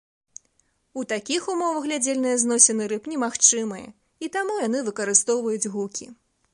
У такіх умовах глядзельныя зносіны рыб немагчымыя, і таму яны выкарыстоўваюць гукі.